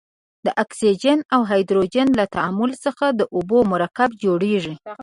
د اکسیجن او هایدروجن له تعامل څخه د اوبو مرکب جوړیږي.